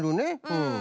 うん。